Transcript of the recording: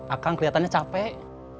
akang keliatannya capek